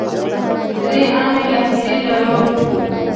درې عامې لهجې لرو.